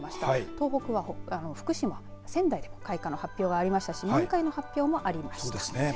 東北は福島、仙台でも開花の発表がありましたし満開の発表もありました。